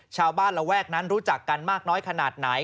ชาวบ้านและแว่งนั้นรู้จักกันมากน้อยขนาดไหน